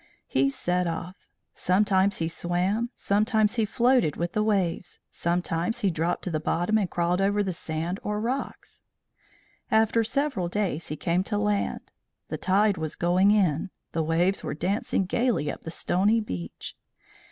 He set off. Sometimes he swam, sometimes he floated with the waves, sometimes he dropped to the bottom and crawled over the sand or rocks. After several days he came to land. The tide was going in; the waves were dancing gaily up the stony beach.